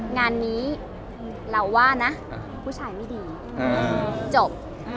งานนี้เราว่านะผู้ชายไม่ดีจบ